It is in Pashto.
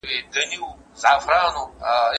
غړي به د ولايتونو ترمنځ د مساوي پرمختګ غوښتنه وکړي.